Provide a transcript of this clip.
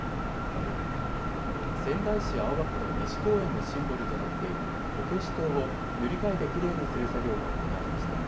仙台市青葉区の西公園のシンボルとなっているこけし塔を塗り替えてきれいにする作業が行われました。